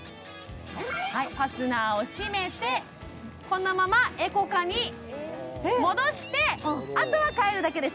はいファスナーを閉めてこのままＥｃｏＣａに戻してあとは帰るだけです